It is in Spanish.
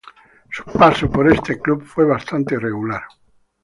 Su paso por este club fue bastante irregular.